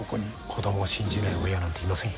子供を信じない親なんていません。